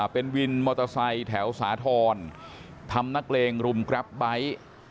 เป็นวินมอเตอร์ไซค์แถวสาธรณ์ทำนักเลงรุมแกรปไบท์